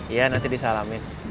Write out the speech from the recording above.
iya nanti disalamin